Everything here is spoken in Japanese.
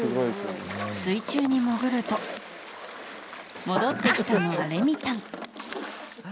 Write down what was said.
水中に潜ると戻ってきたのはレミたん。